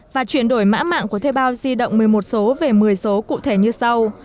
và chuyển đổi mã mạng của thuê bao di động một mươi một số về một mươi số cụ thể như sau